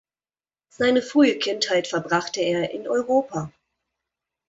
Seine frühe Kindheit verbrachte er in Europa.